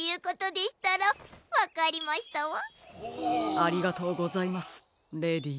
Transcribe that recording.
ありがとうございますレディー。